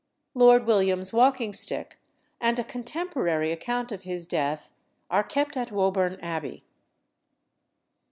Lord William's walking stick and a cotemporary account of his death are kept at Woburn Abbey.